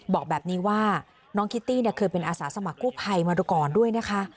บอกแบบนี้ว่าน้องคิตตี้เคยเป็นอาสาสมัครกู้ภัยมาดูก่อนด้วยนะคะ